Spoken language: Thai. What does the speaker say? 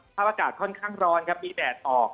ภาพอากาศค่อนข้างร้อนครับมีแดดออก